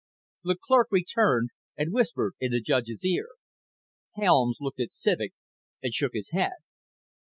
The clerk returned and whispered in the judge's ear. Helms looked at Civek and shook his head.